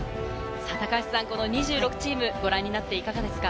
高橋さん、この２６チームをご覧になっていかがですか？